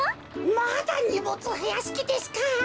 まだにもつふやすきですか。